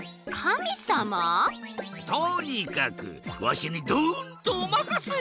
とにかくわしにドンとおまかせ！